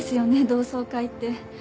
同窓会って。